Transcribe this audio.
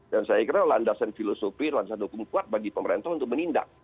dan saya kira landasan filosofi landasan hukum kuat bagi pemerintah untuk menindak